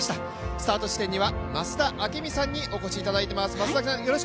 スタート地点には増田明美さんにお越しいただいています。